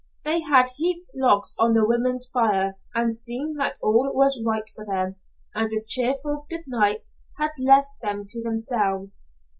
They had heaped logs on the women's fire and seen that all was right for them, and with cheerful good nights had left them to themselves.